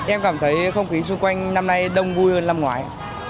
em cảm thấy không khí xung quanh năm nay đông vui hơn năm ngoái